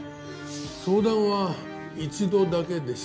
相談は一度だけでした？